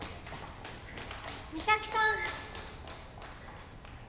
美咲さん。